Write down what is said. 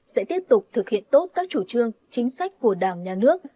sẽ tiếp tục thực hiện tốt các chủ trương chính sách của đảng nhà nước